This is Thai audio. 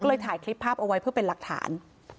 ก็เลยถ่ายคลิปภาพเอาไว้เพื่อเป็นหลักฐาน